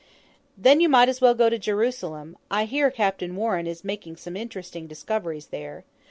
"Then you might as well go to Jerusalem; I hear Captain Warren is making some interesting discoveries there.